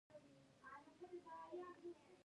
ازادي راډیو د اقلیم ستونزې راپور کړي.